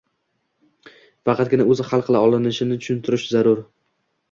faqatgina o‘zi hal qila olishini tushuntirish zarur.